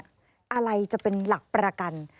อะไรจะเป็นหลักประกัน